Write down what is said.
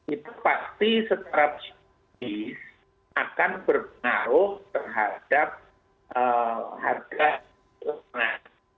itu pasti setara bisnis akan berpengaruh terhadap harga di lapangan